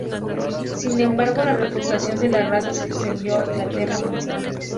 Sin embargo, la reputación de la raza se extendió a Inglaterra mucho antes.